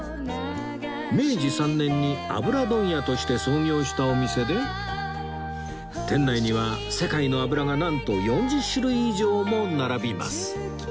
明治３年に油問屋として創業したお店で店内には世界の油がなんと４０種類以上も並びます